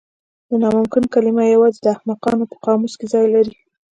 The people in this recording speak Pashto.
د ناممکن کلمه یوازې د احمقانو په قاموس کې ځای لري.